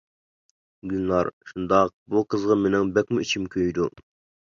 گۈلنار:-شۇنداق. بۇ قىزغا مىنىڭ بەكمۇ ئىچىم كۆيىدۇ.